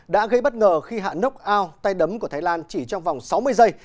đã gây bất ngờ khi hạ knockout tay đấm của thái lan chỉ trong vòng sáu mươi giây